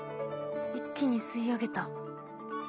一気に吸い上げた。